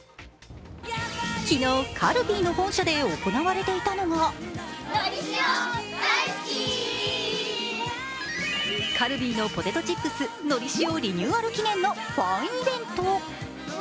昨日カルビーの本社で行われていたのはカルビーのポテトチップスのりしおリニューアル記念のファンイベント。